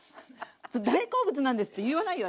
「大好物なんです」って言わないよ